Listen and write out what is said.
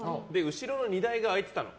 後ろの荷台が開いてたの。